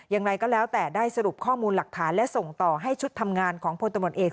อย่างไรก็แล้วแต่ได้สรุปข้อมูลหลักฐานและส่งต่อให้ชุดทำงานของพลตำรวจเอก